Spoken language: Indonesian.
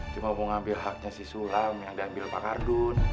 cuma mau ngambil haknya si suram yang diambil pak kardun